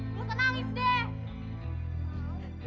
lo tenangin deh